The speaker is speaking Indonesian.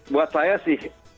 buat saya sih